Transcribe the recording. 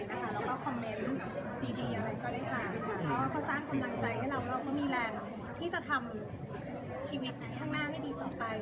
คอมเมนต์ดีอะไรก็ได้ค่ะเขาก็สร้างกำลังใจให้เราก็มีแรงที่จะทำชีวิตข้างหน้าให้ดีต่อไป